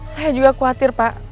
saya juga khawatir pak